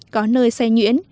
có nơi xe nhuyễn